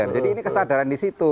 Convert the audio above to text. jadi ini kesadaran di situ